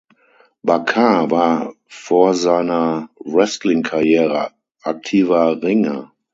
Bakar war vor seiner Wrestlingkarriere aktiver Ringer.